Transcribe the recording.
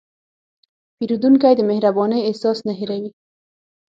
پیرودونکی د مهربانۍ احساس نه هېروي.